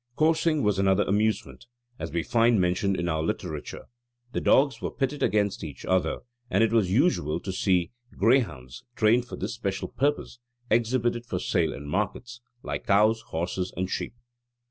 Coursing was another amusement, as we find mentioned in our literature. The dogs were pitted against each other; and it was usual to see greyhounds, trained for this special purpose, exhibited for sale in markets, like cows, horses, and sheep.